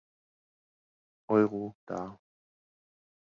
Euro dar.